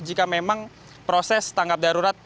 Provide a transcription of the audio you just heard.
jika memang proses tanggap darurat